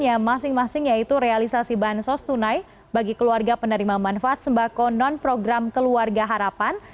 yang masing masing yaitu realisasi bansos tunai bagi keluarga penerima manfaat sembako non program keluarga harapan